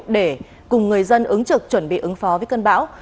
để cùng người dân ứng trực chuẩn bị ứng phó với cơn bão